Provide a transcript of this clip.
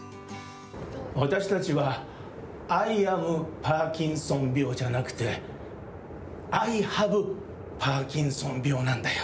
私たちはアイ・アム・パーキンソン病じゃなくてアイ・ハブ・パーキンソン病なんだよ。